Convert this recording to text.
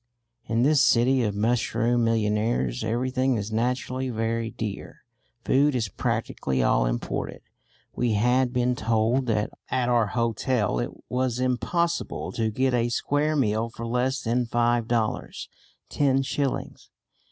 In this city of mushroom millionaires everything is naturally very dear. Food is practically all imported. We had been told that at our hotel it was impossible to get a square meal for less than five dollars (ten shillings).